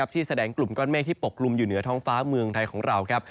ที่แสดงกลุ่มก้อนเมฆที่ปกลุ่มอยู่เหนือท้องฟ้าเมืองไทยของเราครับ